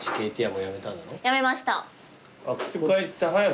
辞めました。